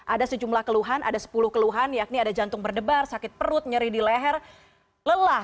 ada sejumlah keluhan ada sepuluh keluhan yakni ada jantung berdebar sakit perut nyeri di leher lelah